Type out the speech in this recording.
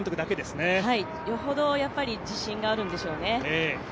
よほど自信があるんでしょうね。